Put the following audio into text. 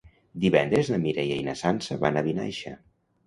Divendres na Mireia i na Sança van a Vinaixa.